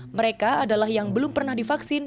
mereka adalah yang belum pernah divaksin